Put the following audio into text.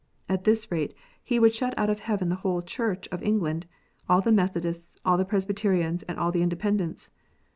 At this rate he would shut out of heaven the whole Church of England, all the Methodists, all the Presbyterians, and all the Independents